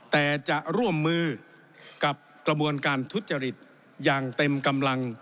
แต่จะร่วมมือกับกระบวนการทุจริตอย่างเต็มกำลัง